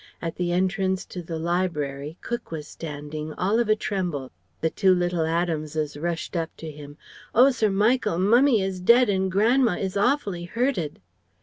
At the entrance to the library cook was standing, all of a tremble. The two little Adamses rushed up to him: "Oh Sir Michael! Mummie is dead and Gran'ma is awfully hurted."